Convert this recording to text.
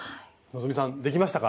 希さんできましたか？